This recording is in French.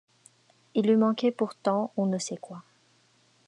Il lui manquait pourtant on ne sait quoi.